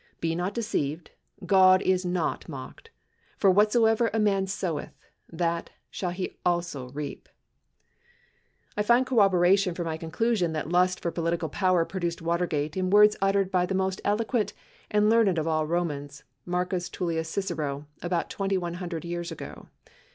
Be not deceived ; God is not mocked : For whatsoever a man soweth, that shall he also reap. I find corroboration for my conclusion that lust for political power produced Watergate in words uttered by the most, eloquent and learned of all the Romans, Marcus Tullius Cicero, about 2100 years ago.